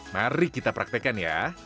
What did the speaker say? mari kita praktekan ya